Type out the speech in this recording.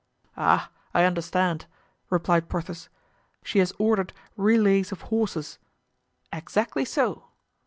"Ah! I understand," replied Porthos; "she has ordered relays of horses." "Exactly so."